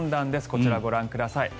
こちらご覧ください。